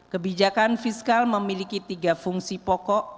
kebijakan fiskal memiliki tiga fungsi pokok